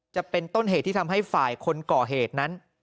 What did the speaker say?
จะเป็นต้นเหตุที่ทำให้ฝ่ายคนก่อเหตุนั้น